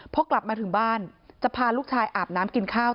พอกลับมาถึงบ้านจะพาลูกชายอาบน้ำกินข้าว